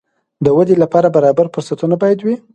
د ودې لپاره برابر فرصتونه باید وي.